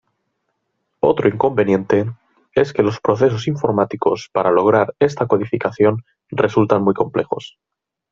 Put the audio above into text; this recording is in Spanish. Otro inconveniente, es que los procesos informáticos para lograr esta codificación resultan muy complejos.